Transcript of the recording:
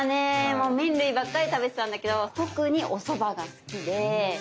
もう麺類ばっかり食べてたんだけど特におそばが好きで先生どうですかね？